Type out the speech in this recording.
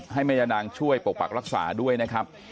ให้แม่ยานางช่วยปกปักรักษาด้วยนะครับ